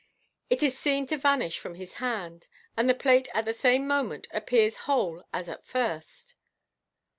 It is seen to vanish from his hand, and the plate at the same moment appears whole as at first.